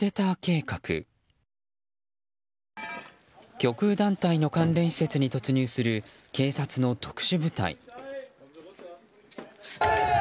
極右団体の関連施設に突入する警察の特殊部隊。